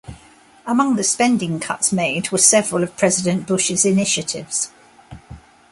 Among the spending cuts made were several of President Bush's initiatives.